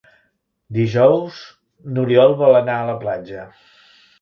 Dijous n'Oriol vol anar a la platja.